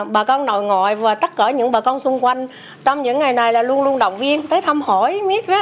bà con nội ngoại và tất cả những bà con xung quanh trong những ngày này là luôn luôn động viên tới thăm hỏi miếng